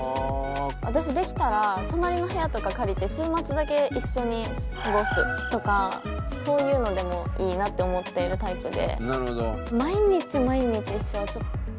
私できたら隣の部屋とか借りて週末だけ一緒に過ごすとかそういうのでもいいなって思っているタイプで。